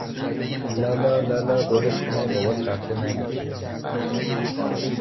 لالا، لالا، گل پونه، بابات رفته نگیر بونه